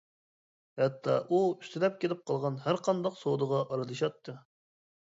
ھەتتا ئۇ ئۈستىلەپ كېلىپ قالغان ھەرقانداق سودىغا ئارىلىشاتتى.